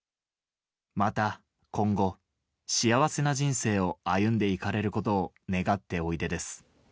また、今後、幸せな人生を歩んでいかれることを願っておいでです。